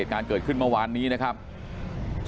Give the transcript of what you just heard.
สุดท้ายเนี่ยขี่รถหน้าที่ก็ไม่ยอมหยุดนะฮะ